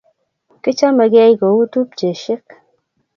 Kichomegei kou tupcheshek